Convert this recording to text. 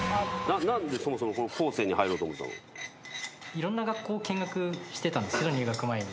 いろんな学校を見学してたんですけど入学前に。